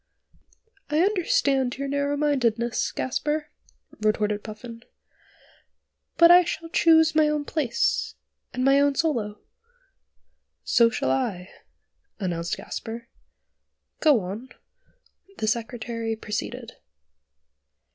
"I understand your narrow mindedness, Gasper," retorted Puffin; "but I shall choose my own place and my own solo." "So shall I," announced Gasper; "go on." The Secretary proceeded.